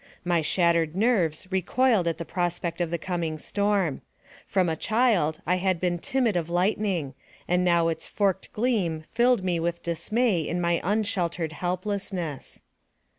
My shattered nerves recoiled at the prospect of the coming storm. From a child I had been timid of lightning, and now its forked gleam filled me with dismay in my unsheltered helplessness.